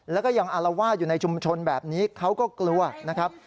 แล้วก็ยังอารวาสอยู่ในชุมชนแบบนี้เขาก็กลัวนะครับ